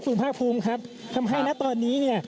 คุณภาคภูมิครับทำให้นะตอนนี้เนี่ย